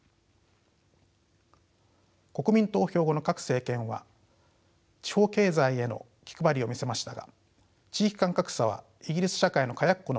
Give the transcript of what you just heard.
国民投票後の各政権は地方経済への気配りを見せましたが地域間格差はイギリス社会の火薬庫のままです。